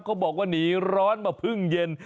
บอกว่าหนีร้อนมาพึ่งเย็น